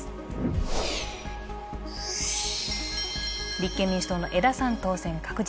立憲民主党の江田さん当選確実。